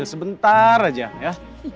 kecil sebentar aja ya